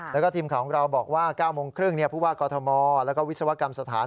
แล้วก็ทีมข่าวของเราบอกว่า๙โมงครึ่งผู้ว่ากอทมแล้วก็วิศวกรรมสถาน